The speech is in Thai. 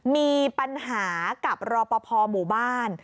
มีปัญหากับรอปภหมู่บ้าน